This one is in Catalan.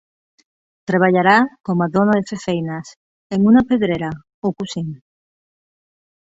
Treballarà com a dona de fer feines, en una pedrera, o cosint.